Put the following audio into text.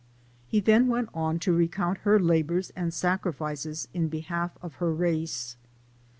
He then went on to recount her labors and sacri fices in behalf of her race.